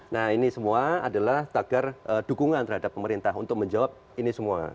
nah ini semua adalah tagar dukungan terhadap pemerintah untuk menjawab ini semua